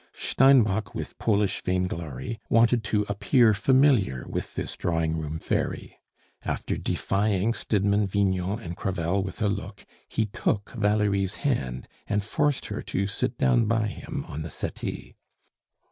Steinbock, with Polish vainglory, wanted to appear familiar with this drawing room fairy. After defying Stidmann, Vignon, and Crevel with a look, he took Valerie's hand and forced her to sit down by him on the settee.